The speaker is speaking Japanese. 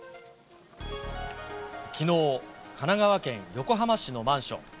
きのう、神奈川県横浜市のマンション。